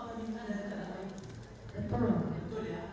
kembangannya pokoknya di sana